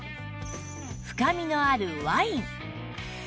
深みのあるワイン